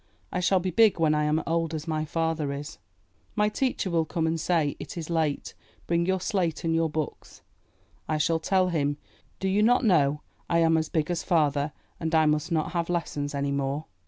I shall be big when I am as old as my father is. My teacher will come and say, It is late. Bring your slate and your books.'' I shall tell him, '*Do you not know I am as big as father? And I must not have lessons any more."